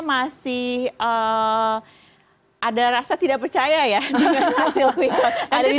masih ada rasa tidak percaya ya dengan hasil quick count